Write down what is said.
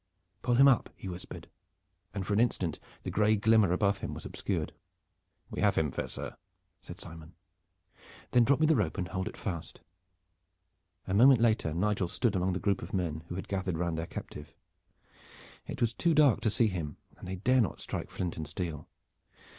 "Pull him up!" he whispered, and for an instant the gray glimmer above him was obscured. "We have him, fair sir," said Simon. "Then drop me the rope and hold it fast." A moment later Nigel stood among the group of men who had gathered round their captive. It was too dark to see him, and they dare not strike flint and steel.